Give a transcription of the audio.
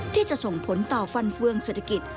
ที่จะส่งผลต่อฟันเฟืองเศรษฐกิจ